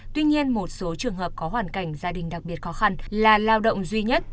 tuy nhiên một số trường hợp có hoàn cảnh gia đình đặc biệt khó khăn là lao động duy nhất